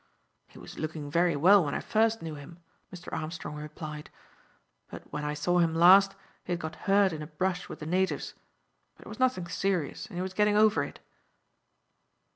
"He was looking very well when I first knew him," Mr. Armstrong replied; "but when I saw him last he had got hurt in a brush with the natives but it was nothing serious, and he was getting over it."